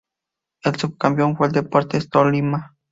El subcampeón fue el Deportes Tolima.